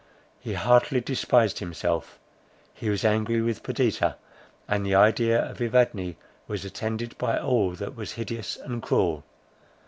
He heartily despised himself, he was angry with Perdita, and the idea of Evadne was attended by all that was hideous and cruel.